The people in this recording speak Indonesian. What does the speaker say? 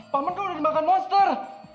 paman kok udah dimakan monster